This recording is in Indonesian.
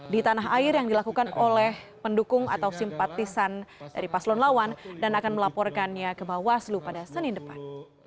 di tanah air yang dilakukan oleh pendukung atau simpatisan dari paslon lawan dan akan melaporkannya ke bawaslu pada senin depan